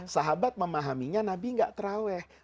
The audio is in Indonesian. sahabat memahaminya nabi gak terawih